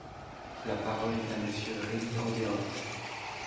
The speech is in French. La parole est à Monsieur Rémy Rebeyrotte.